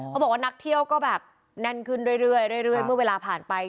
เขาบอกว่านักเที่ยวก็แบบแน่นขึ้นเรื่อยเมื่อเวลาผ่านไป